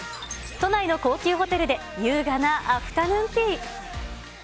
都内の高級ホテルで優雅なアフタヌーンティー。